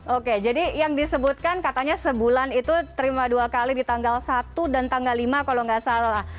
oke jadi yang disebutkan katanya sebulan itu terima dua kali di tanggal satu dan tanggal lima kalau nggak salah